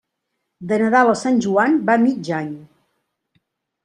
De Nadal a Sant Joan, va mig any.